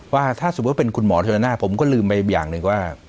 ว่าถ้าสมมุติเป็นคุณหมอเทโรน่าผมก็ลืมไปอย่างหนึ่งว่า